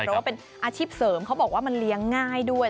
เพราะว่าเป็นอาชีพเสริมเขาบอกว่ามันเลี้ยงง่ายด้วย